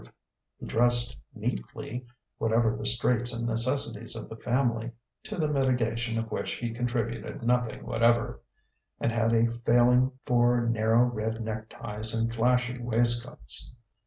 He dressed neatly, whatever the straits and necessities of the family (to the mitigation of which he contributed nothing whatever) and had a failing for narrow red neckties and flashy waistcoats.